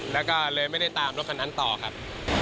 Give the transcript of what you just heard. แล้วก็เลยไม่ได้ตามรถคันนั้นต่อครับ